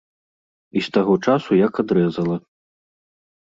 І з таго часу як адрэзала.